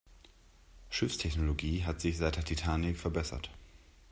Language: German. Schiffstechnologie hat sich seit der Titanic verbessert.